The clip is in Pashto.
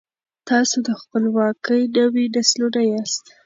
تاسو د خپلواکۍ نوي نسلونه یاست.